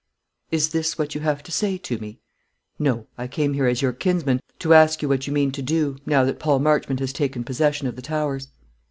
"Is this what you have to say to me?" "No; I came here, as your kinsman, to ask you what you mean to do now that Paul Marchmont has taken possession of the Towers?"